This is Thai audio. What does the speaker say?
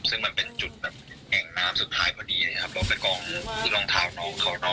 ซึ่งมันเป็นจุดอ่างน้ำสุดท้ายพอดีเนี่ยครับเพราะว่าไปกองรองเท้าน้องเขานะ